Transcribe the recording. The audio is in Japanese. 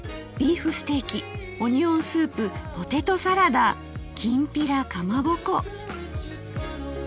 「ビーフステーキオニオンスープポテトサラダきんぴらかまぼこ」